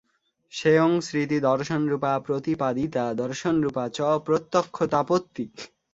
সেয়ং স্মৃতিদর্শনরূপা প্রতিপাদিতা, দর্শনরূপা চ প্রত্যক্ষতাপত্তিঃ।